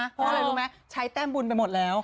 เพราะอะไรรู้ไหมใช้แต้มบุญไปหมดแล้ว